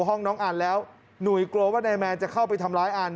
ห้องน้องอันแล้วหนุ่ยกลัวว่านายแมนจะเข้าไปทำร้ายอัน